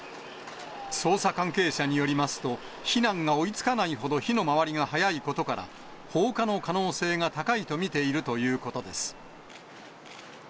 捜査関係者によりますと、避難が追いつかないほど火の回りが早いことから放火の可能性が高いと見ているということです。